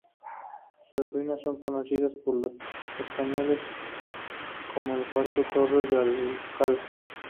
Sus ruinas son conocidas por los españoles como las Cuatro Torres de Alcalá.